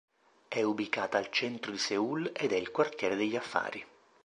È ubicata al centro di Seul ed è il quartiere degli affari.